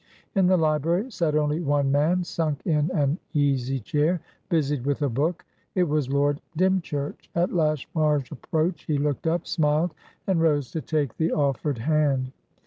In the library sat only one man, sunk in an easy chair, busied with a book. It was Lord Dymchurch; at Lashmar's approach, he looked up, smiled, and rose to take the offered hand.